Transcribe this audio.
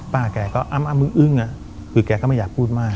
แกก็อ้ำอึ้งคือแกก็ไม่อยากพูดมาก